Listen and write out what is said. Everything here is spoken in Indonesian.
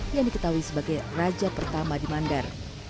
yang diketahui sebagai raja pertama di mandar